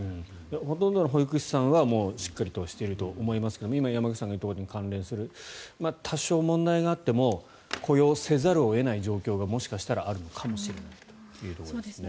ほとんどの保育士さんはしっかりしていると思いますが今、山口さんが言ったことに関連する多少問題があっても雇用せざるを得ない状況がもしかしたらあるのかもしれないというところですね。